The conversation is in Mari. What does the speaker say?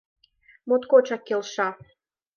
— Моткочак келша!